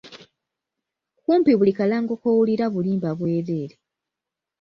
Kumpi buli kalango k'owulira bulimba bwereere.